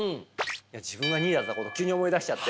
自分が２位だったこと急に思い出しちゃって。